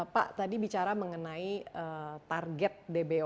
pak tadi bicara mengenai target db satu